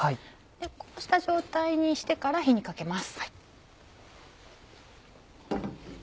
こうした状態にしてから火にかけます。